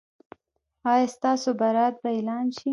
ایا ستاسو برات به اعلان شي؟